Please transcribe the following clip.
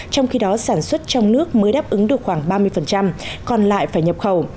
trong khi đó sản xuất trong nước mới đáp ứng được khoảng ba mươi còn lại phải nhập khẩu